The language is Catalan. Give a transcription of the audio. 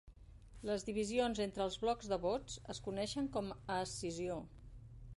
Les divisions entre els blocs de vots es coneixen com a 'escissió'.